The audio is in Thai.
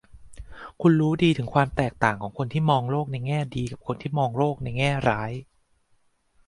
คุณรู้ดีถึงความแตกต่างของคนที่มองโลกในแง่ดีกับคนที่มองโลกในแง่ร้าย